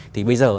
thì bây giờ